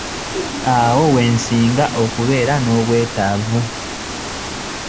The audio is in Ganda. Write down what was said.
Awo we nsinga okubeera n'obwetaavu.